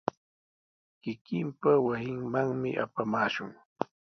Kikinpa wasinmanmi apamaashun.